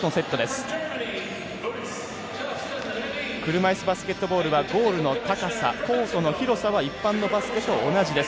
車いすバスケットボールはゴールの高さコートの広さは一般のバスケットと同じです。